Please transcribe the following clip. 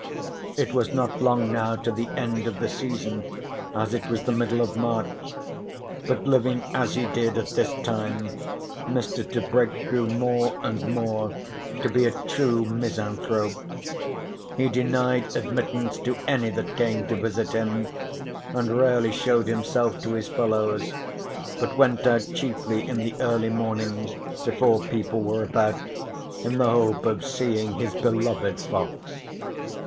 It was not long now to the end of the season, as it was the middle of March. But living as he did at this time, Mr. Tebrick grew more and more to be a true misanthrope. He denied admittance to any that came to visit him, and rarely showed himself to his fellows, but went out chiefly in the early mornings before people were about, in the hope of seeing his beloved fox.